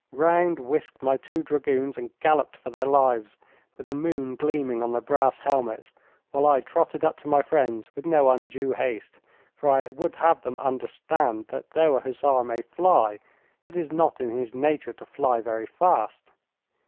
Round whisked my two dragoons and galloped for their lives, with the moon gleaming on their brass helmets, while I trotted up to my friends with no undue haste, for I would have them understand that though a hussar may fly, it is not in his nature to fly very fast.